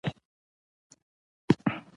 افغانستان کې د اوښ د پرمختګ هڅې روانې دي.